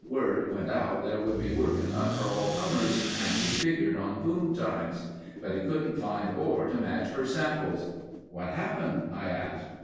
Word went out there would be work enough for all comers and we figured on boom times. But he couldn't find ore to match her samples." "What happened?" I asked.